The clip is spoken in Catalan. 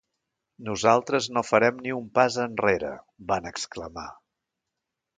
Nosaltres no farem ni un pas enrere, van exclamar.